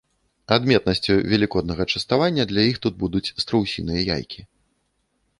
Адметнасцю велікоднага частавання для іх тут будуць страусіныя яйкі.